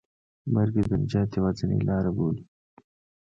مرګ یې د نجات یوازینۍ لاره بولي.